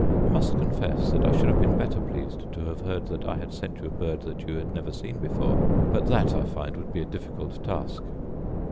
I must confess I should have been better pleased to have heard that I had sent you a bird that you had never seen before; but that, I find, would be a difficult task.